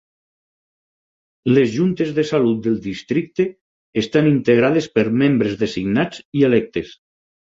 Les Juntes de Salut del districte estan integrades per membres designats i electes.